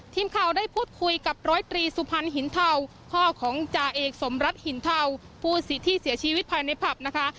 ทีมข่าวได้พูดคุยกับร้อยตรีสุพรรณหินเทาพ่อของจ่าเอกสมรัฐหินเทาผู้ที่เสียชีวิตภายในผับนะคะ